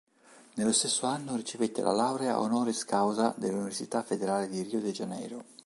Nello stesso anno ricevette la laurea honoris causa dall'Università Federale di Rio de Janeiro.